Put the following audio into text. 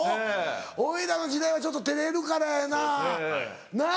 俺らの時代はちょっと照れるからやななっ。